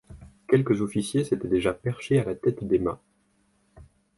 Quelques officiers s’étaient déjà perchés à la tête des mâts.